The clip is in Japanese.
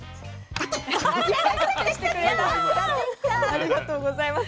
ありがとうございます。